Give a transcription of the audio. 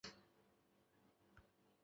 官至工部右侍郎。